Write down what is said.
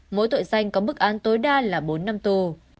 mỗi tội danh có mức án tối đa là bốn năm tù